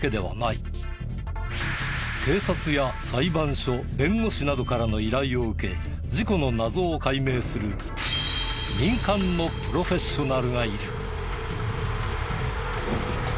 警察や裁判所弁護士などからの依頼を受け事故の謎を解明する民間のプロフェッショナルがいる。